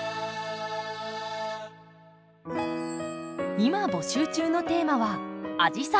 今募集中のテーマは「アジサイが好き！」。